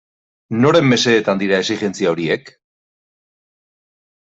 Noren mesedetan dira exijentzia horiek?